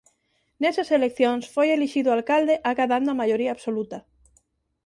Nesas eleccións foi elixido alcalde acadando a maioría absoluta.